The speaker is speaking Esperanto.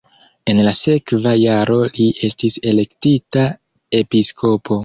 En la sekva jaro li estis elektita episkopo.